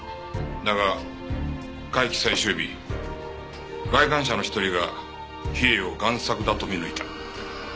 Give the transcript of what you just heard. だが会期最終日来館者の一人が『比叡』を贋作だと見抜いた。